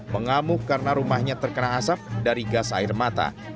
mengamuk karena rumahnya terkena asap dari gas air mata